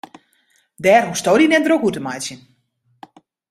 Dêr hoechsto dy net drok oer te meitsjen.